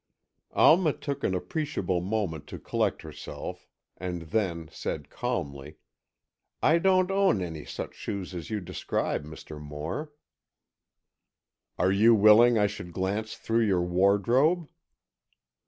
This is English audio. Alma took an appreciable moment to collect herself and then said calmly, "I don't own any such shoes as you describe, Mr. Moore." "Are you willing I should glance through your wardrobe?"